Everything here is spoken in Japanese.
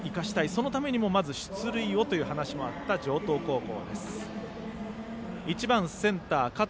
そのためにもまず出塁をという話もあった城東高校です。